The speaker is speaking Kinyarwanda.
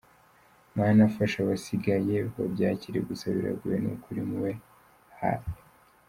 Mana fasha abasigaye babyakire gusa biragoye nukuri mube hafi!.